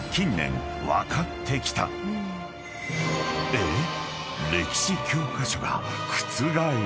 ［えっ？］